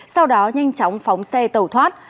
sau đó nhanh chóng phóng xe tàu thoát